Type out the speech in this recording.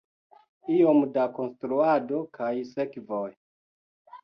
Iom da konstruado kaj servoj.